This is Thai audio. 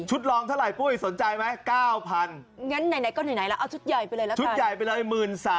ชุดรองเท่าไรที่พวกมันสนใจไหม